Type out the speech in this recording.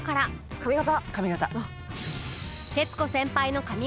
「髪形！」